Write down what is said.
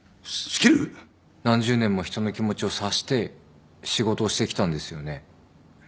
何十年も人の気持ちを察して仕事をしてきたんですよね？